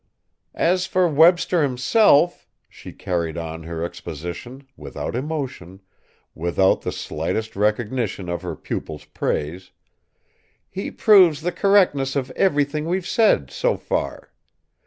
"As for Webster himself," she carried on her exposition, without emotion, without the slightest recognition of her pupil's praise, "he proves the correctness of everything we've said, so far.